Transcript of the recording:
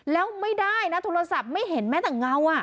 แล้วไม่ได้นะโทรศัพท์ไม่เห็นแม้แต่เงา